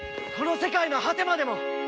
この世界の果てまでも！